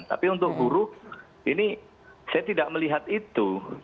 tapi untuk guru ini saya tidak melihat itu